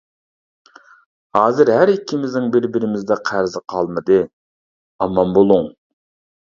ھازىر ھەر ئىككىمىزنىڭ بىر-بىرىمىزدە قەرزى قالمىدى، ئامان بولۇڭ.